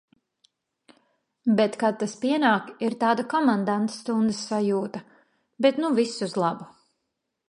Bet, kad tas pienāk, ir tāda komandantstundas sajūta. Bet nu viss uz labu.